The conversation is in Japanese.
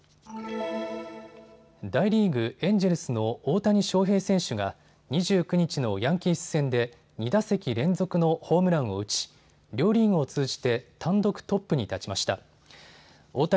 大リーグ、エンジェルスの大谷翔平選手が２９日のヤンキース戦で２打席連続のホームランを打ち両リーグを通じて単独トップに立ちました。